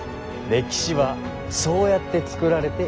歴史はそうやって作られていくんだ。